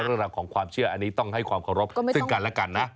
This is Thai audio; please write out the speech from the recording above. เรื่องราวของความเชื่ออันนี้ต้องให้ความเคารพซึ่งกันและกันนะ